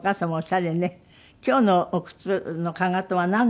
今日のお靴のかかとはなんなの？